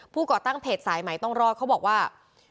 ก่อตั้งเพจสายใหม่ต้องรอดเขาบอกว่า